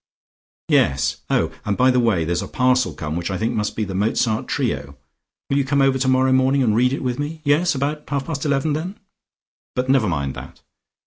"Yes, oh, and by the way there's a parcel come which I think must be the Mozart trio. Will you come over tomorrow morning and read it with me? Yes? About half past eleven, then. But never mind that."